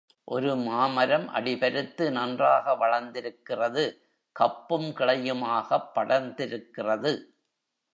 ஒரு மாமரம் அடி பருத்து நன்றாக வளர்ந்திருக்கிறது கப்பும் கிளையுமாகப் படர்ந்திருக்கிறது.